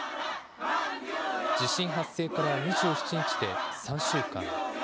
地震発生から２７日で３週間。